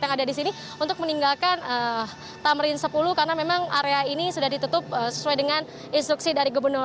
yang ada di sini untuk meninggalkan tamrin sepuluh karena memang area ini sudah ditutup sesuai dengan instruksi dari gubernur